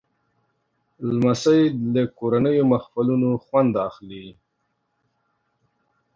لمسی له کورنیو محفلونو خوند اخلي.